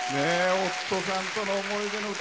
夫さんとの思い出の歌。